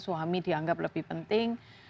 suami dianggap lebih penting